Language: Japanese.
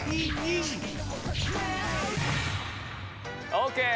オーケー。